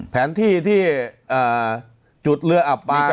แผนที่ที่จุดเรืออับปลา